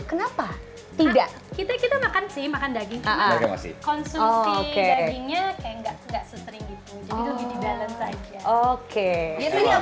kenapa tidak kita kita makan sih makan daging konsumsi dagingnya kayak nggak